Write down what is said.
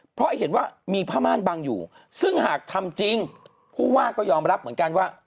เพราะเห็นว่ามีผ้าม่านบังอยู่ซึ่งหากทำจริงผู้ว่าก็ยอมรับเหมือนกันว่า